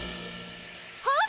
はっ！